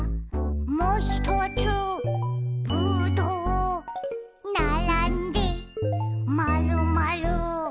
「もひとつぶどう」「ならんでまるまる」